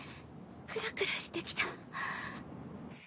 クラクラしてきた。